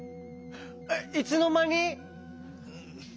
えっいつのまに？